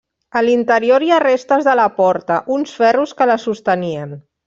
A l'interior hi ha restes de la porta: uns ferros que la sostenien.